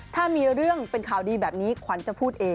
ถ้ามีเรื่องเป็นข่าวดีแบบนี้ขวัญจะพูดเอง